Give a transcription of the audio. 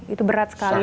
itu berat sekali